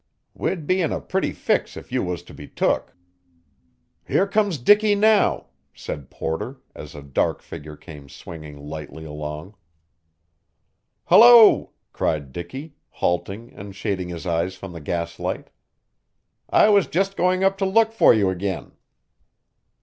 We'd be in a pretty fix if you was to be took." "Here comes Dicky, now," said Porter, as a dark figure came swinging lightly along. "Hullo!" cried Dicky, halting and shading his eyes from the gaslight. "I was just going up to look for you again."